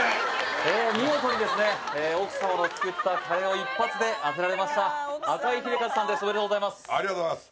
見事にですね奥様の作ったカレーを一発で当てられました赤井英和さんですおめでとうございますありがとうございます